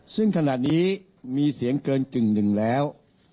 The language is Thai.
ซึ่งขณะนี้มีเสียงเกินกึ่งหนึ่งแล้ว